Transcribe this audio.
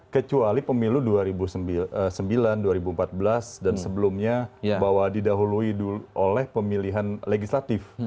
kecuali pemilu dua ribu sembilan dua ribu empat belas dan sebelumnya bahwa didahului oleh pemilihan legislatif